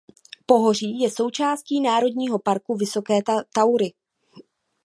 Pohoří je součástí Národního parku Vysoké Taury.